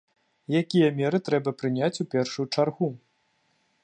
Якія меры трэба прыняць у першую чаргу?